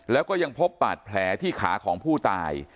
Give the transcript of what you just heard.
แล้วก็ยังพบบาดแผลที่ขาของผู้ตาย